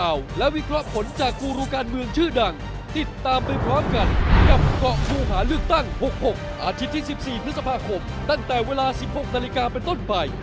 อาทิตย์ที่๑๔พฤษภาคมตั้งแต่เวลา๑๖นาฬิกาเป็นต้นไป